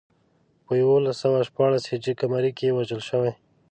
په یولس سوه شپاړس هجري قمري کې وژل شوی.